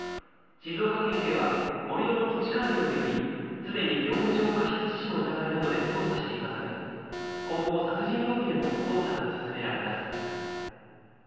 静岡県警は盛り土の土地管理を巡り、すでに業務上過失致死の疑いなどで捜査していますが、今後、殺人容疑でも捜査が進められます。